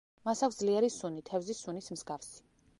მას აქვს ძლიერი სუნი, თევზის სუნის მსგავსი.